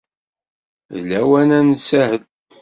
D lawan ad nsahel.